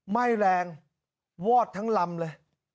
ไหม้แรงวอดทั้งลำเลย